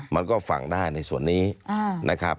มันก็ฟังได้ในส่วนนี้นะครับ